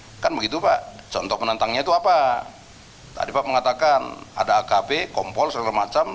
hai kan begitu pak contoh penentangnya itu apa tadi pak mengatakan ada akb kompol segala macam